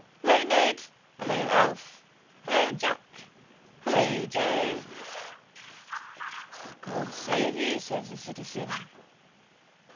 —Hello, Ned. —Hello, Alf. —Hello, Jack. —Hello, Joe. —God save you, says the citizen.